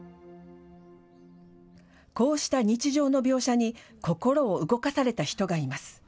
こうした日常の描写に、心を動かされた人がいます。